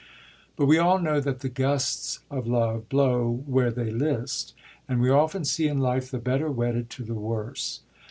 But we all know that the gusts of love blow where they list ; and we often see in life the better wedded to the worse.